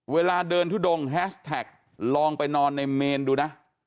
เวลาเดินทุดงแฮชแท็กลองไปนอนในเมนดูนะ